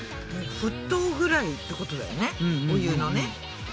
沸騰ぐらいってことだよねお湯のね。